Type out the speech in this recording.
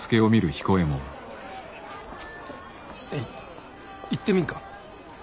いいってみんか？